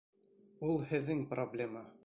Ул һеҙҙең проблема.